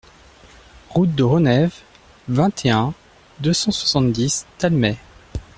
Route de Renève, vingt et un, deux cent soixante-dix Talmay